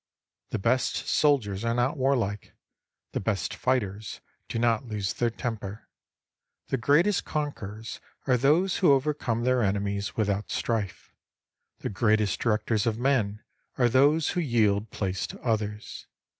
The best soldiers are not warlike ; the best fighters do not lose their temper. The greatest conquerors are those who overcome their enemies without strife. The greatest directors of men are those who yield place to others.